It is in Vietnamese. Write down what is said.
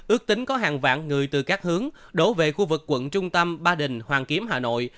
ước tính có hàng vạn người từ các hướng đổ về khu vực quận trung tâm ba đình hoàn kiếm hà nội